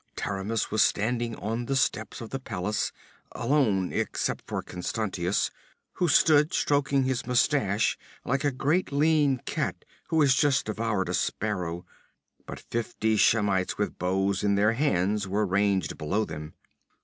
Taramis was standing on the steps of the palace, alone except for Constantius, who stood stroking his mustache like a great lean cat who has just devoured a sparrow. But fifty Shemites with bows in their hands were ranged below them.